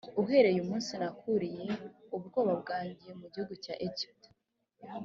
uhereye umunsi nakuriye ubwoko bwanjye mu gihugu cya egiputa